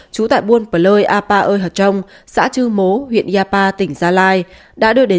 trú tại buôn pờ lơi a pa ơi hợt trông xã chư mố huyện gia pa tỉnh gia lai đã đưa đến